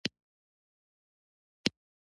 د اریسا ریښه د پوستکي لپاره وکاروئ